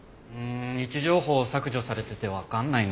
位置情報を削除されててわかんないね。